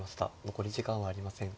残り時間はありません。